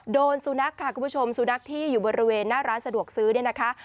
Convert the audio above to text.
โดนสุนัขค่ะคุณผู้ชมสุนัขที่อยู่บริเวณหน้าร้านสะดวกซื้อเนี่ยนะคะ